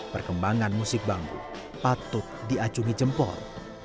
perkembangan musik bambu patut diacungi jempol